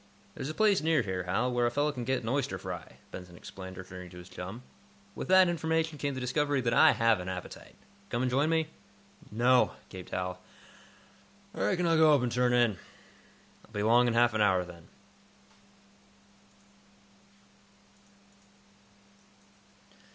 "There's a place near here, Hal, where a fellow can get an oyster fry," Benson explained, returning to his chum. "With that information came the discovery that I have an appetite. Come and join me?" "No," gaped Hal. "I reckon I'll go up and turn in." "I'll be along in half an hour, then."